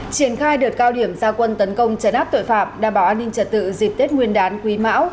triển khai đợt cao điểm gia quân tấn công chấn áp tội phạm đảm bảo an ninh trật tự dịp tết nguyên đán quý mão